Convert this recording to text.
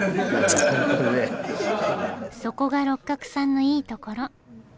そこが六角さんのいいところ。